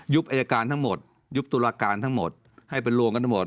อายการทั้งหมดยุบตุลาการทั้งหมดให้เป็นรวมกันทั้งหมด